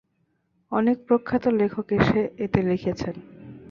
অনেক প্রখ্যাত লেখক এতে লিখেছেন।